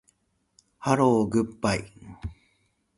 ハローグッバイ